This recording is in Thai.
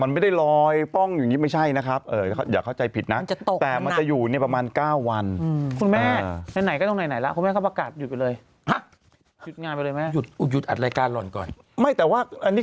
หยุดงานไปเลยแม่หยุดหยุดอัดรายการรอนก่อนไม่แต่ว่าอันนี้